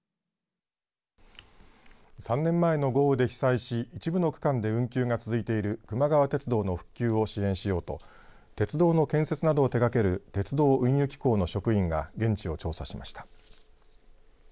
３年前の豪雨で被災し一部の区間で運休が続いているくま川鉄道の復旧を支援しようと鉄道の建設などを手がける鉄道・運輸機構の職員が現地を調査しました。